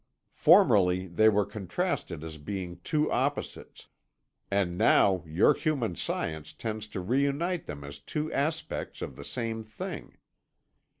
Formerly they were contrasted as being two opposites, and now your human science tends to reunite them as two aspects of the same thing.